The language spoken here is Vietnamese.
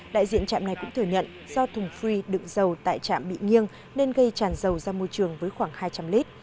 đại diện trạm này cũng thừa nhận do thùng phi đựng dầu tại trạm bị nghiêng nên gây tràn dầu ra môi trường với khoảng hai trăm linh lít